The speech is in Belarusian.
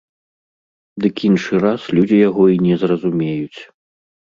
Дык іншы раз людзі яго і не зразумеюць.